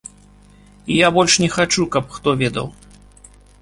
І я больш не хачу, каб хто ведаў.